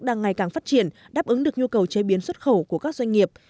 đang ngày càng phát triển đáp ứng được nhu cầu chế biến xuất khẩu của các doanh nghiệp